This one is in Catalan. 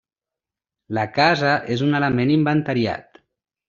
La casa és un element inventariat.